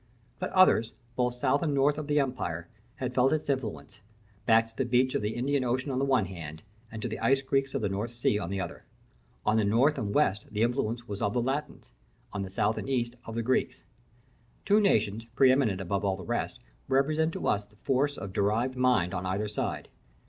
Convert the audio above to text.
But others, both south and north of the empire, had felt its influence, back to the beach of the Indian Ocean on the one hand, and to the ice creeks of the North Sea on the other. On the north and west the influence was of the Latins; on the south and east, of the Greeks. Two nations, pre eminent above all the rest, represent to us the force of derived mind on either side.